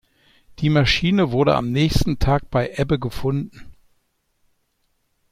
Die Maschine wurde am nächsten Tag bei Ebbe gefunden.